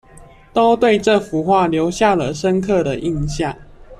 都對這幅畫留下了深刻的印象